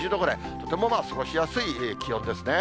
とても過ごしやすい気温ですね。